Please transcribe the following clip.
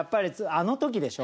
あのときでしょ。